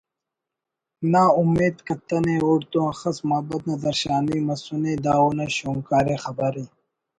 نااومیت کتنے اوڑ تون اخس مابت نا درشانی مسنے دا اونا شونکار ءِ خبر ءِ